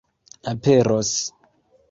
aperos